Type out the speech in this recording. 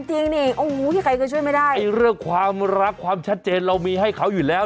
ตอนนี้เอานอนไม่ได้